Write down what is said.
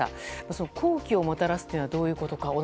その好機をもたらすというのはどういうことか。